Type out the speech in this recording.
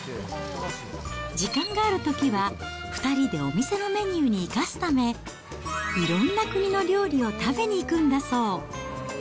時間があるときは、２人でお店のメニューに生かすため、いろんな国の料理を食べに行くんだそう。